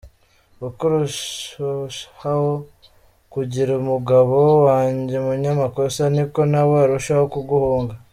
Uko urushaho kugira umugabo wawe umunyamakosa niko nawe arushaho kuguhunga.